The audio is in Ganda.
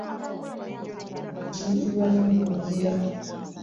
Mpulira nnumizibwa nnyo mu ndira.